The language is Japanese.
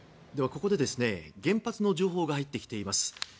ここで原発の情報が入ってきています。